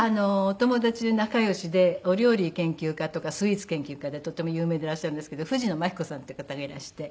お友達で仲良しでお料理研究家とかスイーツ研究家でとっても有名でいらっしゃるんですけど藤野真紀子さんっていう方がいらして。